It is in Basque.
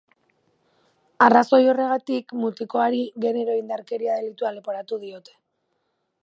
Arrazoi horregatik, mutikoari genero indarkeria delitua leporatu diote.